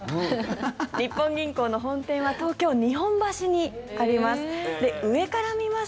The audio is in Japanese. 日本銀行の本店は東京・日本橋にあります。